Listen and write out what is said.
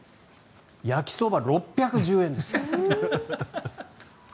焼きそば、６１０円です。